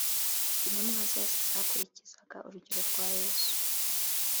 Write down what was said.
Intumwa zose zakurikizaga urugero rwa Yesu